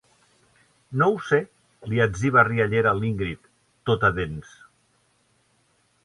No ho sé, —li etziba riallera l'Ingrid, tota dents—.